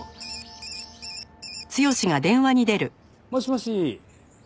もしもし。